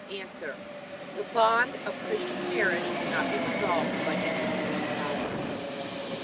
A. The bond of Christian marriage cannot be dissolved by any human power.